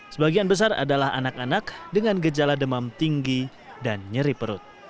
sebagian besar adalah anak anak dengan gejala demam tinggi dan nyeri perut